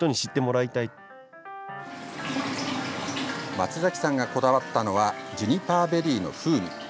松崎さんがこだわったのはジュニパーベリーの風味。